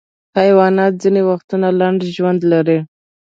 حیوانات ځینې وختونه لنډ ژوند لري.